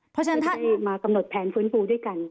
เพราะฉะนั้นถ้ามากำหนดแผนฟื้นฟูด้วยกัน